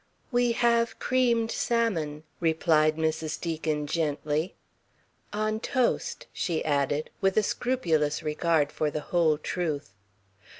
"We have creamed salmon," replied Mrs. Deacon gently. "On toast," she added, with a scrupulous regard for the whole truth.